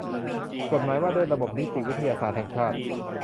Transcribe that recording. กฎหมายว่าด้วยระบบนิติวิทยาศาสตร์แห่งชาติ